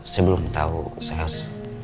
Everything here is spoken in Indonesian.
sebelum tau saya harus